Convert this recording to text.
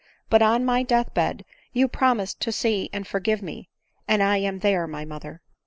— But on my death bed you promised to see and forgive me — and lam there, my mother I